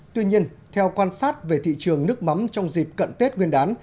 tuy nhiên theo quan sát về thị trường nước mắm trong dịp cận tết nguyên đán